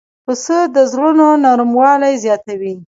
پسه د زړونو نرموالی زیاتوي.